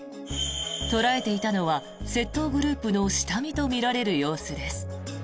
捉えていたのは窃盗グループの下見とみられる様子です。